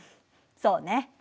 そうね。